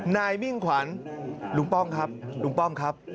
มิ่งขวัญลุงป้อมครับลุงป้อมครับ